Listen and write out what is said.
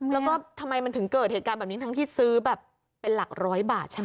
แล้วก็ทำไมมันถึงเกิดเหตุการณ์แบบนี้ทั้งที่ซื้อแบบเป็นหลักร้อยบาทใช่ไหม